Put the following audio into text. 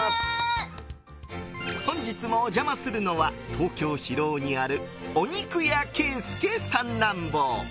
本日もお邪魔するのは東京・広尾にあるお肉屋けいすけ三男坊。